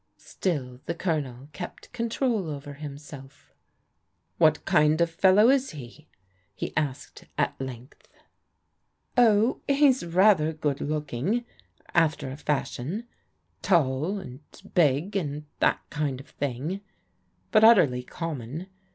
Still the Colonel kept control over himself. What kind of fellow is he ?" he asked at length. Oh, he's rather good looking, after a fashion. Tall and big, and that kind of thing, but utterly common.